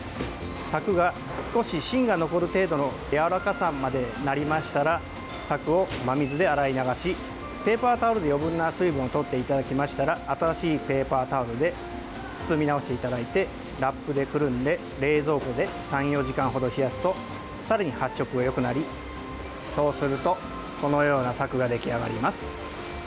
サクが少し芯が残る程度のやわらかさまでなりましたらサクを真水で洗い流しペーパータオルで余分な水分をとっていただきましたら新しいペーパータオルで包み直していただいてラップでくるんで冷蔵庫で３４時間ほど冷やすとさらに発色がよくなりそうするとこのようなサクが出来上がります。